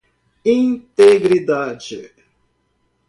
integridade